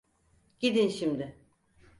Gidin şimdi.